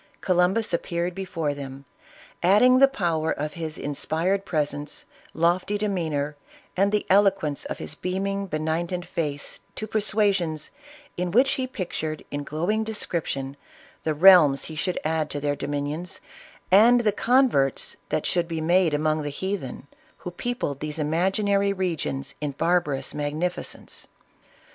Columbus appeared before them, adding the power of his inspired presence, lofty demeanor, and the eloquence of his beaming, benignant face to persuasions, in which he pictured in glowing description the realms he should add to their dominions, and the converts that should be made among the heathen, who peopled these imagi nary regions in barbarous magnificence.